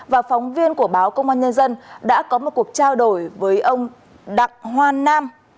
và phóng viên của báo công an nhân dân đã có một cuộc trao đổi với ông đặng hoan nam